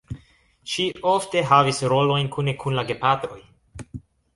Ŝi ofte havis rolojn kune kun la gepatroj.